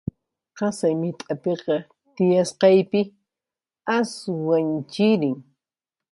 qasay mit'apiqa tiyasqaypi, aswan chirin